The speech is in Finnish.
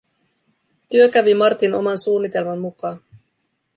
Työ kävi Martin oman suunnitelman mukaan.